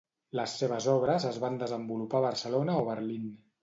Les seves obres es van desenvolupar a Barcelona o Berlín.